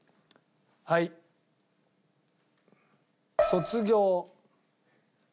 『卒業』。